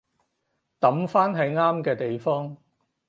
抌返喺啱嘅地方